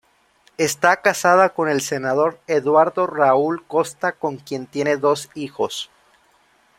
Está casada con el senador Eduardo Raúl Costa, con quien tiene dos hijos.